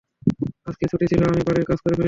আজকে ছুটি ছিলো, আমি বাড়ির কাজ করে ফেলছি।